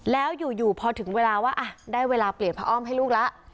แล้วอยู่พอถึงเวลาว่าได้เวลาเปลี่ยนพระอ้อมให้ลูกแล้ว